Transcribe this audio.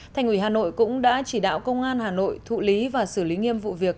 thành ủy hà nội cũng đã chỉ đạo công an hà nội thụ lý và xử lý nghiêm vụ việc